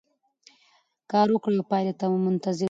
کار وکړئ او پایلې ته منتظر اوسئ.